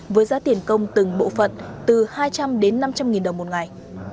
với giá tiền công từng bộ phận từ hai trăm linh đến năm trăm linh nghìn đồng một ngày